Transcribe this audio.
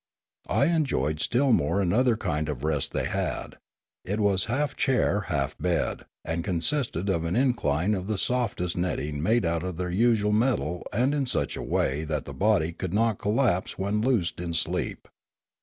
I enjoyed still more another kind of rest they had; it was half chair, half bed, and consisted of an incline of the softest netting made out of their usual metal and in such a way that the body could not collapse when loosed in sleep.